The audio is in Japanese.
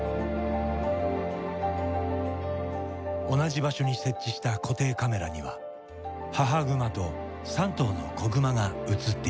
同じ場所に設置した固定カメラには母グマと３頭の子グマが写っていた。